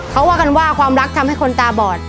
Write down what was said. เขาว่ากันว่าความรักทำให้คนตาบอด